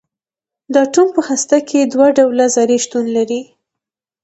د اټوم په هسته کې دوه ډوله ذرې شتون لري.